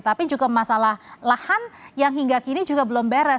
tapi juga masalah lahan yang hingga kini juga belum beres